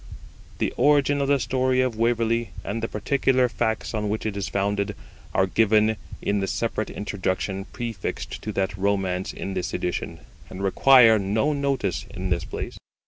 The origin of the story of Waverley, and the particular facts on which it is founded, are given in the separate introduction prefixed to that romance in this edition, and require no notice in this place.